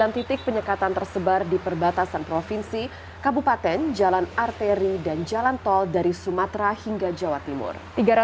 sembilan titik penyekatan tersebar di perbatasan provinsi kabupaten jalan arteri dan jalan tol dari sumatera hingga jawa timur